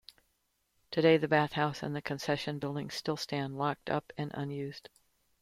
Today, the bathhouse and concession buildings still stand, locked up and unused.